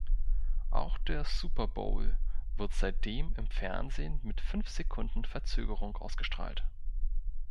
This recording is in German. Auch der Super Bowl wird seitdem im Fernsehen mit fünf Sekunden Verzögerung ausgestrahlt.